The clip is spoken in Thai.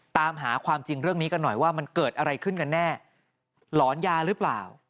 ตามหาความจริงเรื่องนี้กันหน่อยว่ามันเกิดอะไรขึ้นกันแน่หลอนยาหรือเปล่า